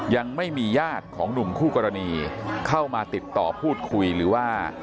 ยังไม่มีญาติของหนุ่มคู่กรณีเข้ามาติดต่อพูดคุยหรือว่า